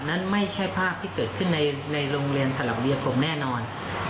นั้นไม่ใช่ภาพที่เกิดขึ้นในโรงเรียนสลับเวียกรมแน่นอน